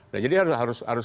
nah jadi harus